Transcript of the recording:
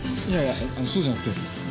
いやいやそうじゃなくて。